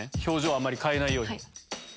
あんまり変えないように。